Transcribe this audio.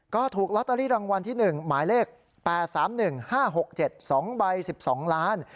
ก็ถูกลอตเตอรี่รางวัลที่๑หมายเลข๘๓๑๕๖๗๒ใบ๑๒ล้าน